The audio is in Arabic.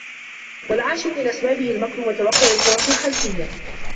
وَالْعَاشِرُ مِنْ أَسْبَابِهِ الْمَكْرُ وَتَوَقُّعُ الْفُرَصِ الْخَلْفِيَّةِ